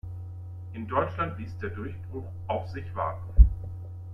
In Deutschland ließ der Durchbruch auf sich warten.